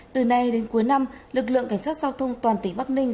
từ nay đến cuối năm lực lượng cảnh sát giao thông toàn tỉnh bắc ninh